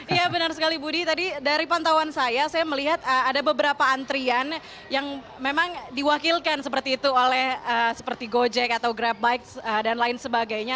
ya benar sekali budi tadi dari pantauan saya saya melihat ada beberapa antrian yang memang diwakilkan seperti itu oleh seperti gojek atau grabbike dan lain sebagainya